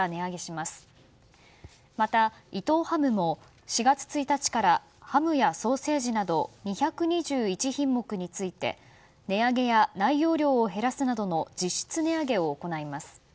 また、伊藤ハムも４月１日からハムやソーセージなど２２１品目について値上げや内容量を減らすなどの実質値上げを行います。